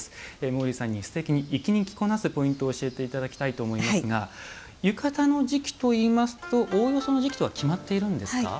毛利さんに、すてきに粋に着こなすポイントを教えていただきたいと思いますが浴衣の時期といいますとおおよその時期は決まっているんですか？